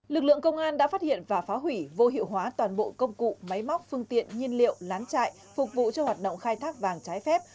lực lượng công an đã phát hiện và phá hủy vô hiệu hóa toàn bộ công cụ máy móc phương tiện nhiên liệu lán trại phục vụ cho hoạt động khai thác vàng trái phép